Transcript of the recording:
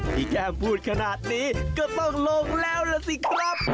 แก้มพูดขนาดนี้ก็ต้องลงแล้วล่ะสิครับ